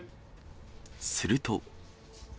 すると。